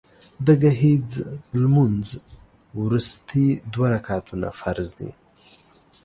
د ګهیځ لمونځ وروستي دوه رکعتونه فرض دي